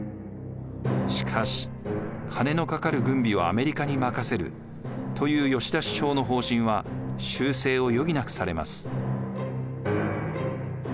しかし金のかかる軍備はアメリカに任せるという吉田首相の方針は修正を余儀なくされます。